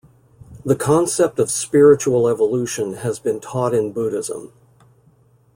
The concept of spiritual evolution has been taught in Buddhism.